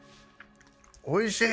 おいしい。